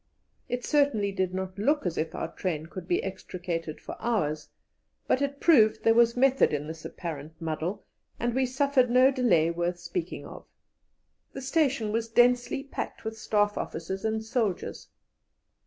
It certainly did not look as if our train could be extricated for hours, but it proved there was method in this apparent muddle, and we suffered no delay worth speaking of. The station was densely packed with Staff officers and soldiers.